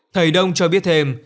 thầy đông cho biết thêm